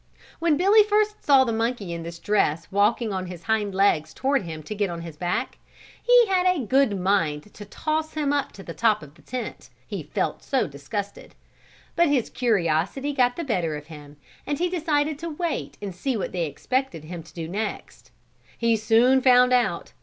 When Billy first saw the monkey in this dress walking on his hind legs toward him to get on his back, he had a good mind to toss him up to the top of the tent, he felt so disgusted; but his curiosity got the better of him and he decided to wait and see what they expected him to do next. He soon found out.